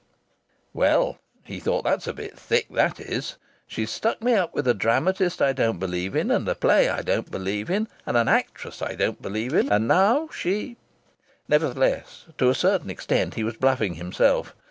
"Well," he thought, "that's a bit thick, that is! She's stuck me up with a dramatist I don't believe in, and a play I don't believe in, and an actress I don't believe in and now she " Nevertheless, to a certain extent he was bluffing himself.